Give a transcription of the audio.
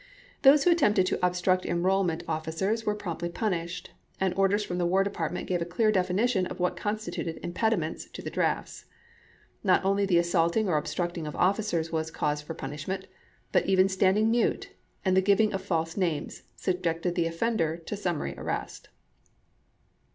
Those who attempted to obstruct enrollment of ficers were promptly punished, and orders from the War Department gave a clear definition of what constituted impediments to the drafts. Not only the assaulting or obstructing of officers was cause for punishment, but even standing mute, and the giv ing of false names, subjected the offender to sum mary arrest.